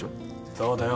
そうだよ。